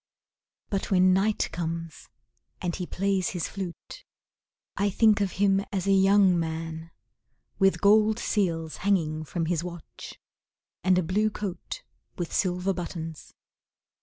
But when night comes and he plays his flute, I think of him as a young man, With gold seals hanging from his watch, And a blue coat with silver buttons.